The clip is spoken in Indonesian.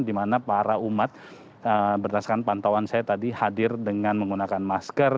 di mana para umat berdasarkan pantauan saya tadi hadir dengan menggunakan masker